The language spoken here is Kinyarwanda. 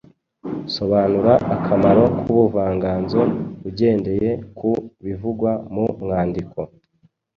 Sobanura akamaro k’ubuvanganzo ugendeye ku bivugwa mu mwandiko.